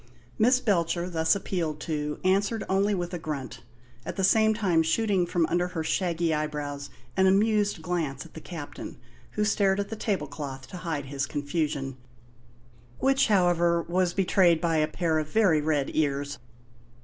Miss Belcher, thus appealed to, answered only with a grunt, at the same time shooting from under her shaggy eyebrows an amused glance at the Captain, who stared at the table cloth to hide his confusion, which, however, was betrayed by a pair of very red ears.